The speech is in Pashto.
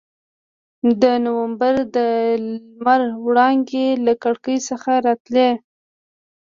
د نومبر د لمر وړانګې له کړکۍ څخه راتلې.